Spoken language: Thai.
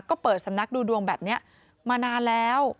ก็เปิดสำนักดูดวงแบบนี้มานานแล้ว